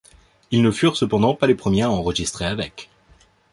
Ils ne furent cependant pas les premiers à enregistrer avec.